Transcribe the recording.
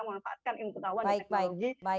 memanfaatkan pengetahuan dan teknologi